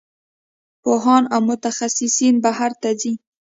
پوهان او متخصصین بهر ته ځي.